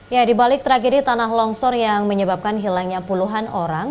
ya di balik tragedi tanah longsor yang menyebabkan hilangnya puluhan orang